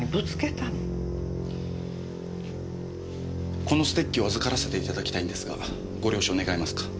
このステッキを預からせていただきたいんですがご了承願えますか？